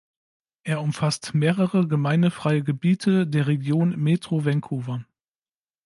Er umfasst mehrere gemeindefreie Gebiete der Region Metro Vancouver.